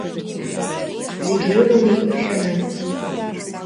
Зегьы рыла уеиқәыршәаны.